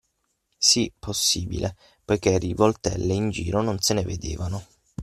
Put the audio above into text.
Sì, possibile, poichè rivoltelle in giro non se ne vedevano.